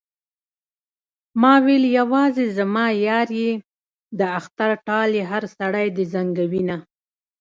ما ويل يوازې زما يار يې د اختر ټال يې هر سړی دې زنګوينه